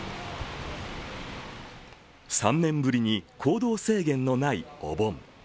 ３年ぶりに行動制限のないお盆。